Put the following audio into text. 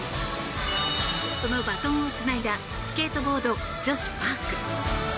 そのバトンをつないだスケートボード女子パーク。